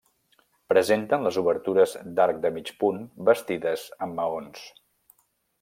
Presenten les obertures d'arc de mig punt bastides amb maons.